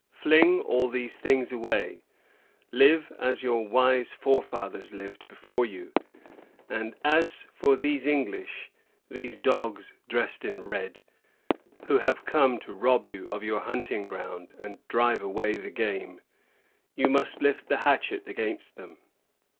Fling all these things away; live as your wise forefathers lived before you. And as for these English,——these dogs dressed in red, who have come to rob you of your hunting grounds, and drive away the game,——you must lift the hatchet against them.